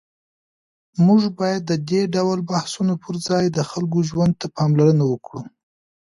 موږ باید د دې ډول بحثونو پر ځای د خلکو ژوند ته پاملرنه وکړو.